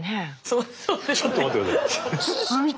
そうですね。